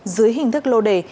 dưới hình thức lô đề